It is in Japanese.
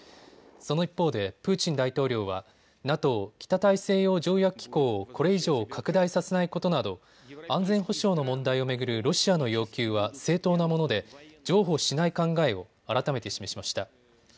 その一方でプーチン大統領はＮＡＴＯ・北大西洋条約機構をこれ以上拡大させないことなど安全保障の問題を巡るロシアの要求は正当なもので譲歩しない考えを改めて示しました。